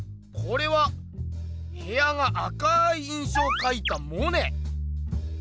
これは部屋が赤い印象をかいたモネ！